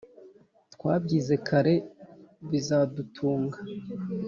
twabyize kare bizadutunga!”